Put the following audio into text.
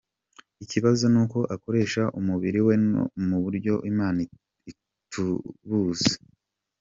Ikibazo nuko akoresha umubiri we mu buryo imana itubuza.